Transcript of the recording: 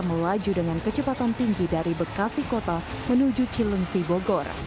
melaju dengan kecepatan tinggi dari bekasi kota menuju cilengsi bogor